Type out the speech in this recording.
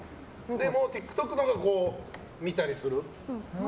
でもＴｉｋＴｏｋのほうが見たりする？